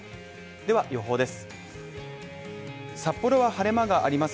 では予報です。